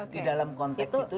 di dalam konteks itu